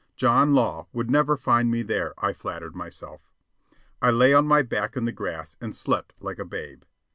John Law would never find me there, I flattered myself. I lay on my back in the grass and slept like a babe.